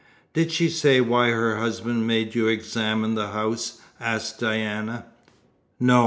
"Did she say why her husband made you examine the house?" asked Diana. "No.